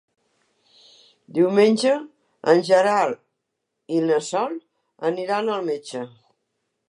Diumenge en Gerard i na Sol aniran al metge.